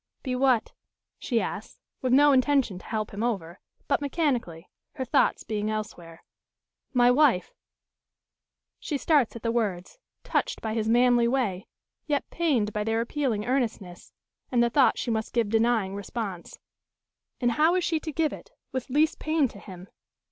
"Be what?" she asks, with no intention to help him over, but mechanically, her thoughts being elsewhere. "My wife?" She starts at the words, touched by his manly way, yet pained by their appealing earnestness, and the thought she must give denying response. And how is she to give it, with least pain to him?